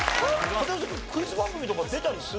片寄君クイズ番組とか出たりする？